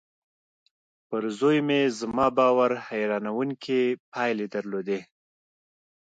پر زوی مې زما باور حيرانوونکې پايلې درلودې.